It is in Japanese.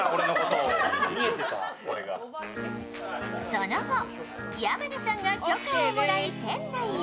その後、山名さんが許可をもらい店内へ。